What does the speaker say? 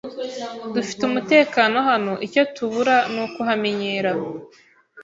Dufite umutekano hano icyo tubura nukuhamenyera